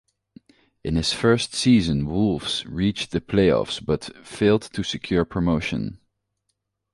In his first season Wolves reached the play-offs but failed to secure promotion.